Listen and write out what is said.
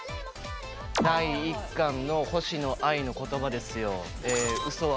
第１巻の星野アイの言葉ですよ。